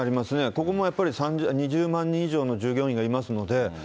ここもやっぱり２０万人以上の従業員がいますので。